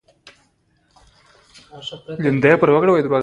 فلم د کلتور استازیتوب کوي